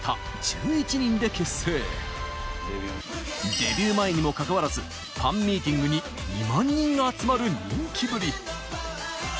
デビュー前にもかかわらずファンミーティングに２万人が集まる人気ぶり。